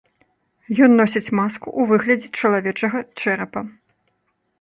Ён носіць маску ў выглядзе чалавечага чэрапа.